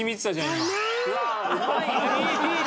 今。